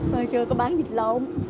bây giờ có bán dịch lâu